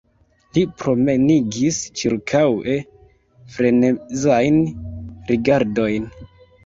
Li promenigis ĉirkaŭe frenezajn rigardojn.